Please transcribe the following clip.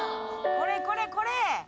これこれこれ！